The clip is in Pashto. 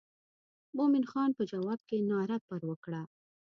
مومن خان په جواب کې ناره پر وکړه.